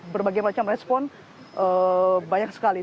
berbagai macam respon banyak sekali